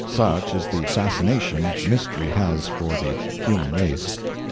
Such is the fascination mystery has for the human race!